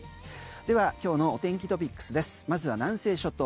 では今日のお天気トピックスですまずは南西諸島。